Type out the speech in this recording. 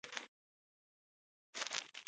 ورزش د خولې د سیستم فعالیت ښه کوي.